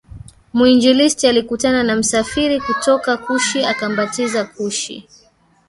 mwinjilisti alikutana na msafiri kutoka Kushi akambatiza Kushi